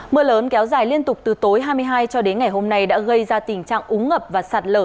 mưa lớn kéo dài liên tục từ tối hai mươi hai cho đến ngày hôm nay đã gây ra tình trạng úng ngập và sạt lở